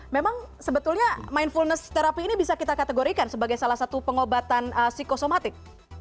memang sebetulnya mindfulness terapi ini bisa kita kategorikan sebagai salah satu pengobatan psikosomatik